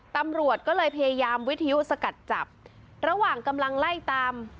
ตำรวจก็เลยพยายามวิทยุสกัดจับระหว่างกำลังไล่ตาม